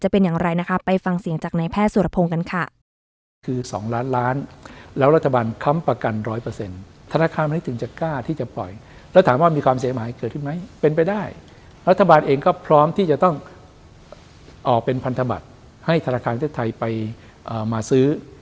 พร้อมที่จะต้องออกเป็นพันธบัตรให้ธนาคารเที่ยวไทยไปมาซื้อ